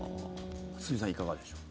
堤さん、いかがでしょう。